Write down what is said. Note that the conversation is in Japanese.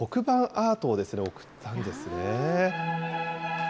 アートを贈ったんですね。